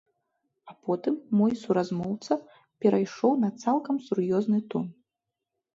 А потым мой суразмоўца перайшоў на цалкам сур'ёзны тон.